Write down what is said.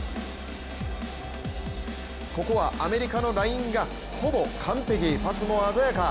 ここはアメリカのラインがほぼ完璧、パスも鮮やか。